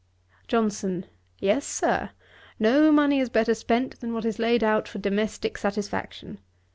JOHNSON. 'Yes, Sir; no money is better spent than what is laid out for domestick satisfaction.